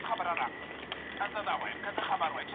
هغه ډېر لوړ ږغ چي پاڼه ړنګوي، ویریدونکی دی.